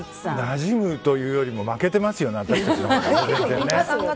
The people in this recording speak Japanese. なじむというよりも負けてますよね、私たち。